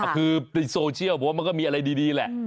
คือโซเชียลมันก็มีอะไรดีแหละ